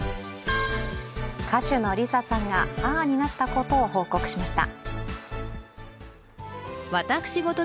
歌手のＬｉＳＡさんが母になったことを報告しました。